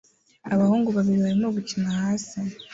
Abahungu babiri barimo gukina hasi